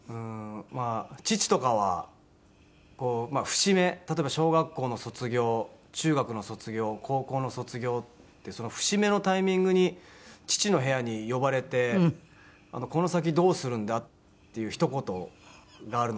父とかはまあ節目例えば小学校の卒業中学の卒業高校の卒業って節目のタイミングに父の部屋に呼ばれて「この先どうするんだ？」っていうひと言があるので。